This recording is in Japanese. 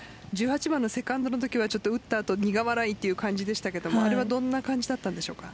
１８番のセカンドのときは打った後苦笑いという感じでしたがあれはどんな感じだったんでしょうか？